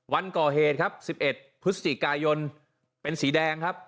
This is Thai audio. วันก่อเหตุครับ๑๑พฤศจิกายนเป็นสีแดงครับ